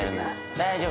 大丈夫。